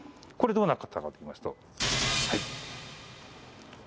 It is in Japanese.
これどうなったかといいますと。